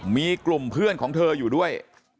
มีกลุ่มเพื่อนของเธออยู่ด้วย